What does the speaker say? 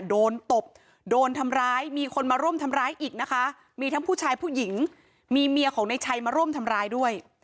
ตบโดนทำร้ายมีคนมาร่วมทำร้ายอีกนะคะมีทั้งผู้ชายผู้หญิงมีเมียของในชัยมาร่วมทำร้ายด้วย